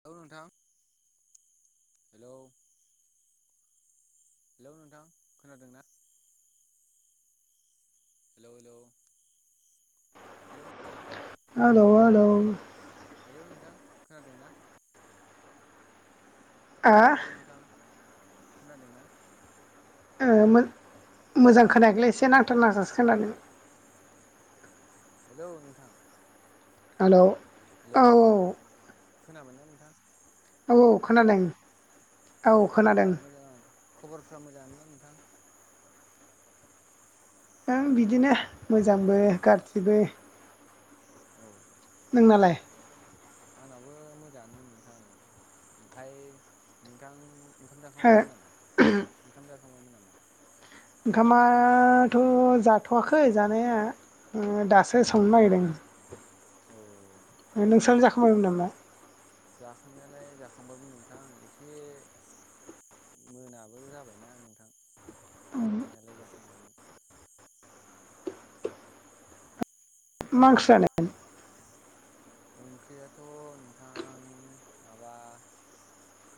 Hello नोंथां hello hello नोंथां खोनादों ना? हेल' हेल' हेल' नोंथां। औ हेलौ नोंथां खोनादों ना? आ हेलौ हेलौ नोंथां खोनादों ना? ओ मोजां खोनायाखैलोय एसे नांथा नांथासो खोनादों। हेलौ नोंथां। हेलौ हेलौ औ खोनाबायना नोंथां। औ खोनादों। औ खबरफ्रा खोनादों मोजाङानो खबरफ्रा मोजांआनोना नोंथां? ओं बिदिनो मोजांबो गारजिबो। औ। नोंनालाय? आंनाबो मोजाङानो नोंथां ओमफ्राय नोंथां ओंखाम हो जाखांबायमोन नामा ओंखाम जाखा ओंखामाथ' जाथ'वाखै जानाया। ओ दासो संनो नागिरदों। औ। ओ नोंस्रालाय जाखांबायमोन नामा? जाखांनायालाय जाखांबायमोन नोंथां एसे मोनाबो जाबायना नोंथां। जाखांनायालाय जाखांबायमोन। मा ओंख्रि जानाय? ओंख्रियाथ' नोंथां माबा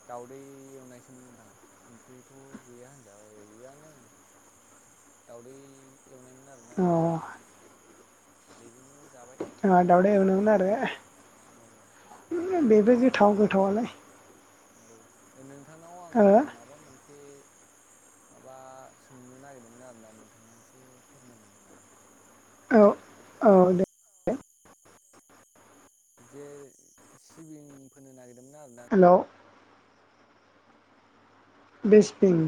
दाउदै एवनायसोमोन नोंथां ओंख्रिथ' गैया होनजाबाय गैयानो। दावदै एवनायमोन आरोना अ नोंथां। बेजोंनो जाबाय। ओ दावदै एवनायमोन आरो औ बेबो नोंथांनाव गोथाव गोथावालाय। औ नोंथांनाव आं माबा मोनसे माबा सोंनो नागिरदोंमोन आरोना नोंथाङा एसे फोरमायनो हागोन नामा? औ औ दे। जे सिबिं फोनो नागिर हेल' बेसदिं।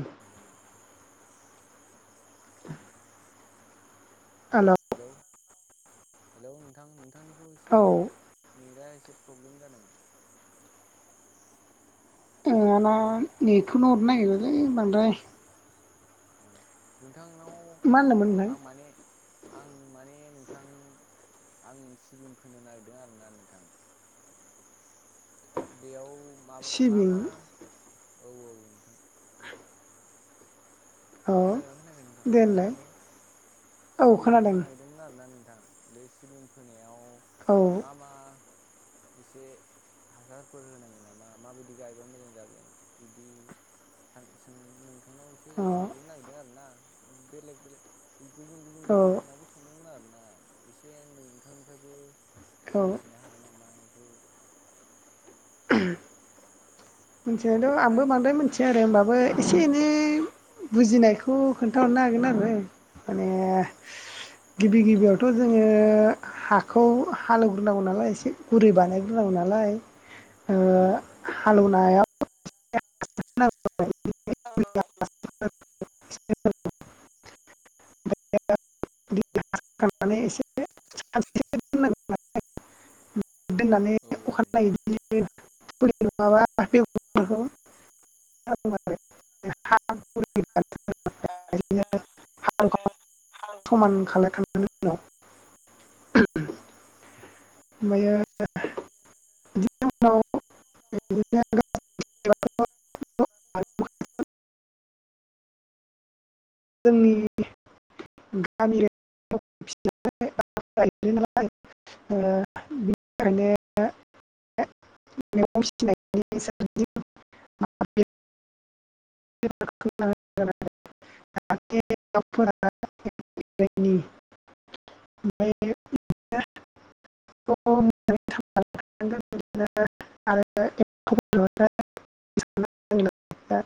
हेलौ हेलौ नोंथां नोंथांनिखौ एसे औ नेदा प्रब्लेम जादों। जोंहाना नेदखौनो हरनो नागिरलै बांद्राय। औ नोंथांनाव माहोनदोंमोनलाय? आं माने आं माने नोंथां आं सिबिं फोनो नागिरदों आरोना नोंथां। बेयाव माबा मा सिबिं मा औ औ नोंथां। औ खोनादोंना खोनायाखौ नोंथां हेलौ देलाय हेलौ। औ सिबिं खोनादों फोनो नागिरदोंमोन आरो ना नोंथां बे सिबिं फोनायाव औ मा मा एसे हासारफोर होनांगोन नामा माबायदि गायबा मोजां जागोन बिदि सां सों नोंथांनाव एसे अ सोंलुनो नागिरदों आरो ना बेलेग बेलेग गुबुन गुबुन औ लोगोफोरनावबो सोंदोंमोन आरो ना ए एसे नोंथांनिफ्रायबो औ मोनथिनो हागोन नामा? बेखौ मिथिनायाथ नोंथाङा आंबो एसे बांद्राय खोन्थानो हागोन नामा? मिथियाआरो होमबाबो एसे एनै बे बुजिनायखौ खोन्थाहरनो हागोन आरो। माने औ गिबि गिबियाव थ जोङो हाखौ हालेवग्रोनांगौ नालाय एसे हाखौ गुरै बानायग्रोनांगौ नालाय। ओ औ नोंथां। हालेवनायाव अ। [unintelligible] [unintelligible] औ नोंथां एसे [unintelligible] दोननानै अखा औ औ नोंथां। नायैदि [unintelligible] [unintelligible] माबा [unintelligible] [unintelligible] औ समान खालायखांनायनि उनाव मै होयो [unintelligible] जोंनि गामि फिथाइ नालाय बिनि थाखायनो [unintelligible] [unintelligible] [unintelligible] फ्राय [inaudible] [unintelligible] आरो [unintelligible]